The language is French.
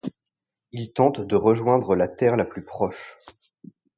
Il tente de rejoindre la terre la plus proche.